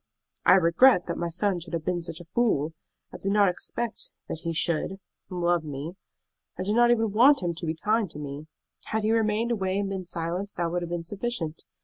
"I regret that my son should have been such a fool! I did not expect that he should love me. I did not even want him to be kind to me. Had he remained away and been silent, that would have been sufficient.